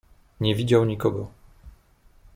"Nie widział nikogo."